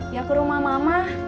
ya ke rumah mama